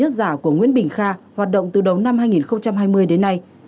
cơ sở sản giả của nguyễn bình kha hoạt động từ đầu năm hai nghìn hai mươi đến nay